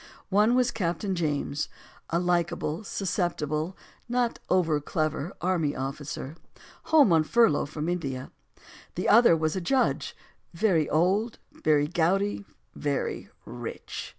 One was Captain James, a likable, susceptible, not over clever army officer, home on furlough from India. The other was a judge, very old, very gouty, very rich.